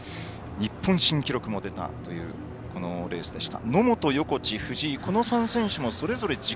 日本新記録も出たというこのレースでした。